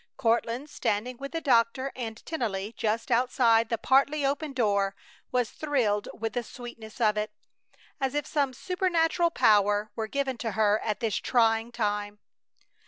Courtland, standing with the doctor and Tennelly just outside the partly open door, was thrilled with the sweetness of it, as if some supernatural power were given to her at this trying time.